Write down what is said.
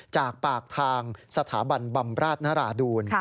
จากปากทางสถาบันบำราชนราดูล